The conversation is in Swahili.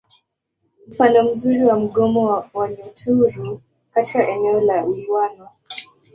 Mfano mzuri wa mgomo wa Wanyaturu katika eneo la Wilwana